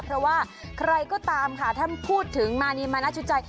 เพราะว่าใครก็ตามค่ะถ้าพูดถึงมานีมานะชุดใจ